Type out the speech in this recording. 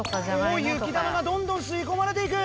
おお雪玉がどんどん吸い込まれていく。